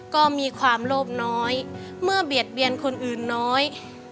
ก็มีความโลภน้อยเมื่อเบียดเบียนคนอื่นน้อย